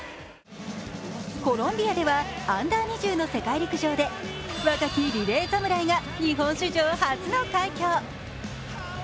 コロンビアではＵ２０の世界陸上で若きリレー侍が日本史上初の快挙。